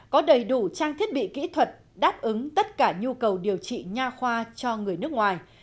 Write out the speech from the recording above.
có đầy đủ trang thiết bị kỹ thuật đáp ứng tất cả nhu cầu điều trị nha khoa cho người nước ngoài